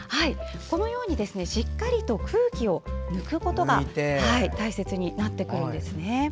しっかりと空気を抜くことが大切になってくるんです。